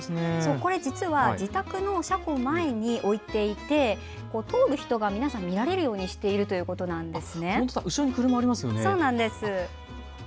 きれいですねこれ実は、自宅の車庫前に置いていて通る人が皆さん見られるようにしているということなんです。